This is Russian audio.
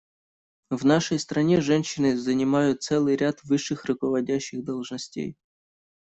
В нашей стране женщины занимают целый ряд высших руководящих должностей.